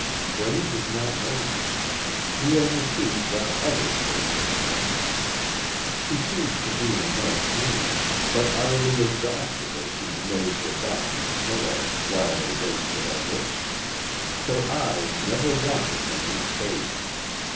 Braine does not notice it. He only sees that other trace of Helen. She seems to be in no pain, but utterly exhausted as he lays her back on the pillow, while they wait for Everet. Her eyes never wander from his face.